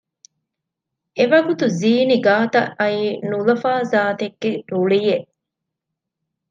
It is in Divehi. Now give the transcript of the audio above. އެވަގުތު ޒީނީ ގާތަށް އައީ ނުލަފާ ޒާތެއްގެ ރުޅިއެއް